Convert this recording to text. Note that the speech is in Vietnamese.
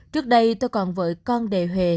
trước đây tôi còn vợ con đề hề